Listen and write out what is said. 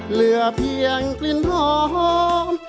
เหลือเพียงกลิ่นหอม